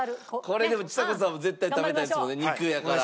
これでもちさ子さんも絶対食べたいですよね肉やから。